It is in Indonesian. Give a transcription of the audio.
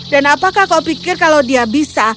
dan apakah kau pikir kalau dia bisa